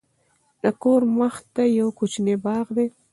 د کور مخته یو کوچنی باغ دی.